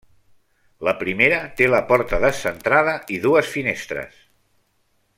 La primera té la porta descentrada i dues finestres.